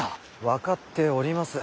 分かっております。